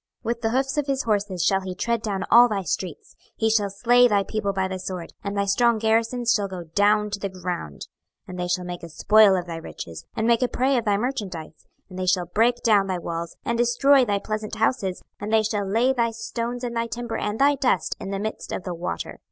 26:026:011 With the hoofs of his horses shall he tread down all thy streets: he shall slay thy people by the sword, and thy strong garrisons shall go down to the ground. 26:026:012 And they shall make a spoil of thy riches, and make a prey of thy merchandise: and they shall break down thy walls, and destroy thy pleasant houses: and they shall lay thy stones and thy timber and thy dust in the midst of the water.